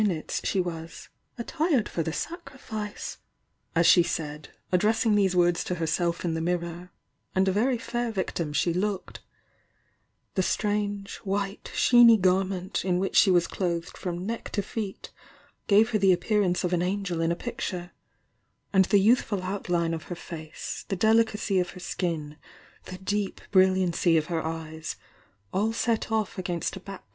'"t^s she was "attired for the sacri fice as she said, addrp img these words to herself m the mirror, and a y fair victim she looked nlJ^fj, J?*^""' '''^'}^ ^r"y garment in which she was clothed from neck to feet gave her the appearance of her f«fp /h" * P'«t"' '' T?"'' ^^^ youVf^foutline o her face, the delicacy of her skin, tht ■ ep brillia icv of her eyes, all set off against a backfc.